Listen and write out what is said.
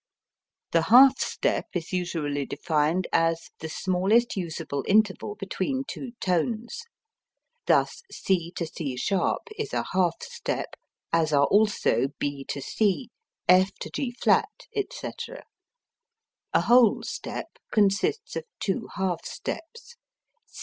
The half step is usually defined as "the smallest usable interval between two tones." Thus, C C[sharp] is a half step, as are also B C, F G[flat], etc. A whole step consists of two half steps.